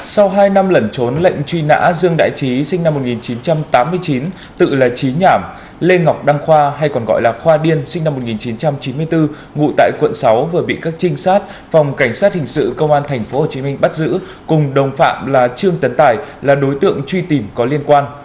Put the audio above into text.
sau hai năm lẩn trốn lệnh truy nã dương đại trí sinh năm một nghìn chín trăm tám mươi chín tự là trí nhảm lê ngọc đăng khoa hay còn gọi là khoa điên sinh năm một nghìn chín trăm chín mươi bốn ngụ tại quận sáu vừa bị các trinh sát phòng cảnh sát hình sự công an tp hcm bắt giữ cùng đồng phạm là trương tấn tài là đối tượng truy tìm có liên quan